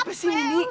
apa sih mini